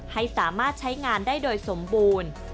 ให้สามารถใช้งานได้โดยสมบูรณ์